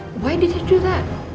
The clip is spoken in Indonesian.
kenapa dia bisa